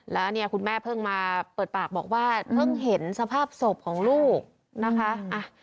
แล้วเนี่ยคุณแม่เพิ่งมาเปิดปากบอกว่าเพิ่งเห็นสภาพศพของลูกนะคะ